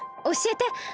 おしえて。